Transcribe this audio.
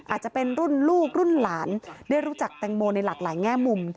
อาจจะเป็นรุ่นลูกรุ่นหลานได้รู้จักแตงโมในหลากหลายแง่มุม